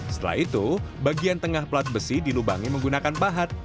setelah itu bagian tengah pelat besi dilubangi menggunakan pahat